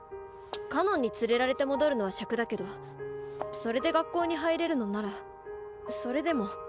かのんに連れられて戻るのはしゃくだけどそれで学校に入れるのならそれでも。